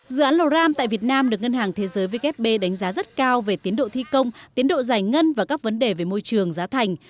dự án lò ram tại việt nam được ngân hàng thế giới vkp đánh giá rất cao về tiến độ thi công tiến độ giải ngân và các vấn đề về môi trường giá thành